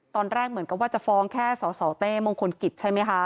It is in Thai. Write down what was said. ตอนแรกเหมือนกับว่าจะฟ้องแค่สสเต้มงคลกิจใช่ไหมคะ